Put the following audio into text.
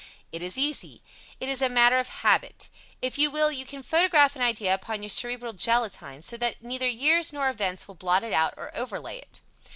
It is easy. It is a matter of habit. If you will, you can photograph an idea upon your cerebral gelatine so that neither years nor events will blot it out or overlay it.